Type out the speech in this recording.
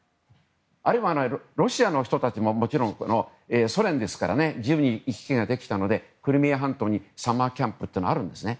あるいは、ロシアの人たちももちろんソ連ですから自由に行き来できたのでクリミア半島にサマーキャンプっていうのはあるんですね。